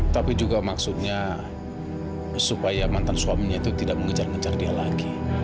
tapi juga maksudnya supaya mantan suaminya itu tidak mengejar ngejar dia lagi